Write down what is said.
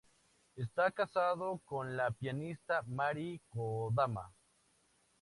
Está casado con la pianista Mari Kodama.